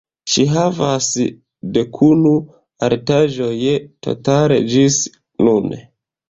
Ŝi havas dekunu artaĵoj totale ĝis nun.